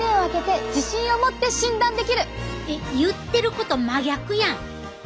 えっ言ってること真逆やん！